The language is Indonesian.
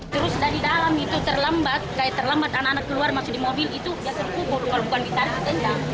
terus dari dalam itu terlambat kayak terlambat anak anak keluar masuk di mobil itu biasa terkubur kalau bukan di tanah saja